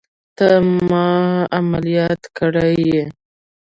ته ما عمليات کړى يې.